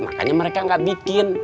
makanya mereka gak bikin